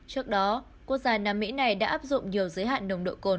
trước đó quốc gia nam mỹ này đã áp dụng nhiều giới hạn nồng độ cồn